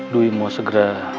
dwi mau segera